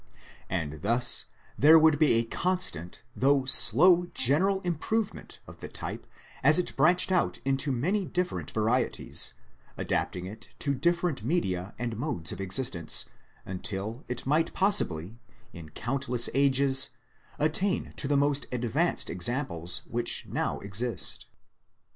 And thus there would be a constant though slow general improvement of the type as it branched out into many different varieties, adapting it to different media and modes of existence, until it might possibly, in countless ages, attain to the most advanced examples which now exist.